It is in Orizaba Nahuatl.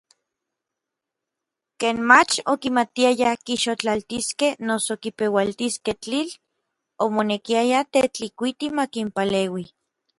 Ken mach okimatiayaj kixotlaltiskej noso kipeualtiskej tlitl, omonekiaya Tetlikuiti makinpaleui.